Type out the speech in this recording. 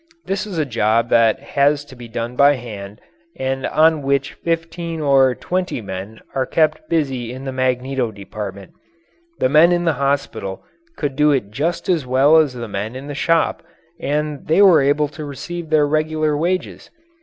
This is a job that has to be done by hand and on which fifteen or twenty men are kept busy in the Magneto Department. The men in the hospital could do it just as well as the men in the shop and they were able to receive their regular wages.